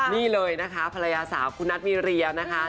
นี่เลยนะคะภรรยาสาวคุณนัทมีเรียนะคะ